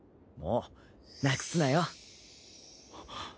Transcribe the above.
もうなくすなよ。